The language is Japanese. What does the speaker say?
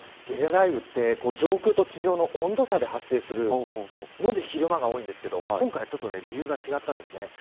ゲリラ雷雨って上空と地上の温度差で発生するので昼間が多いんですけど今回は理由が違ったんですね。